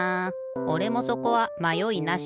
おれもそこはまよいなし。